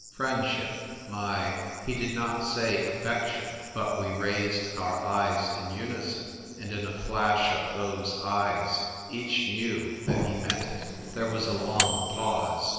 . friendship, my " He did not say " affection "; but we raised our eyes in unison ; and in a flash of those eyes each knew that he meant it. There was a long pause.